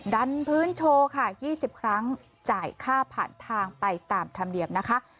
ดันพื้นโชว์ค่ะ๒๐ครั้งจ่ายค่าผ่านทางไปตามธรรมเนียมนะคะ